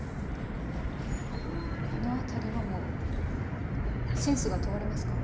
この辺りはもうセンスが問われますか？